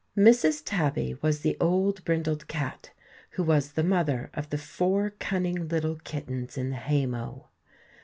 Mrs. Tabby was the old brindled cat, who was the mother of the four cunning little kittens in the hay mow.